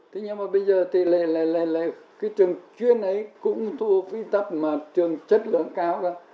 thế nhưng mà bây giờ thì cái trường chuyên ấy cũng thu hút vi tập mà trường chất lượng cao đó